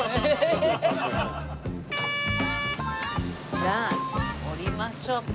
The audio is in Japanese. じゃあ降りましょう。